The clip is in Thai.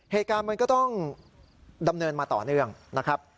เหตุการณ์มันก็ต้องดำเนินมาต่อเนื่องนะครับ